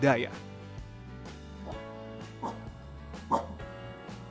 dan juga melakukan budidaya